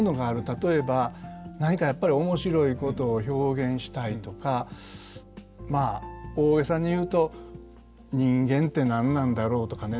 例えば何かやっぱり面白いことを表現したいとかまあ大げさに言うと「人間て何なんだろう？」とかね